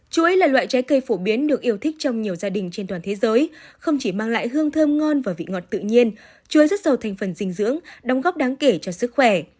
chuối là loại trái cây phổ biến được yêu thích trong nhiều gia đình trên toàn thế giới không chỉ mang lại hương thơm ngon và vị ngọt tự nhiên chuối rất giàu thành phần dinh dưỡng đóng góp đáng kể cho sức khỏe